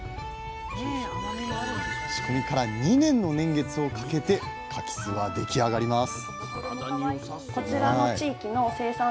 仕込みから２年の年月をかけて柿酢は出来上がります